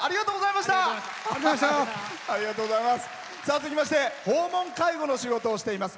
続きまして訪問介護の仕事をしています。